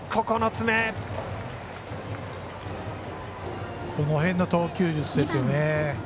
この辺の投球術ですよね。